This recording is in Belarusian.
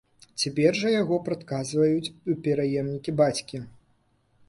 Цяпер жа яго прадказваюць у пераемнікі бацькі.